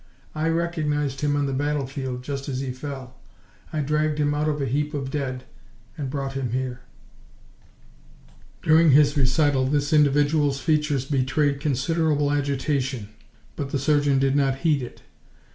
I recognised him on the battle field just as he fell; I dragged him out of a heap of dead, and brought him here." During his recital this individual's features betrayed considerable agitation, but the surgeon did not heed it.